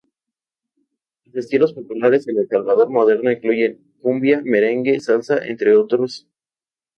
Los estilos populares en El Salvador moderno incluyen: cumbia, merengue, salsa entre otros.